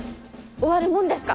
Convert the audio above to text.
終わるもんですか！